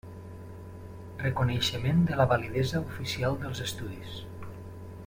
Reconeixement de la validesa oficial dels estudis.